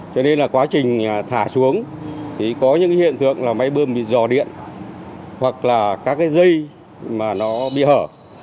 cho nên là quá trình thả xuống thì có những hiện tượng là máy bơm bị dò điện hoặc là các cái dây mà nó bị hở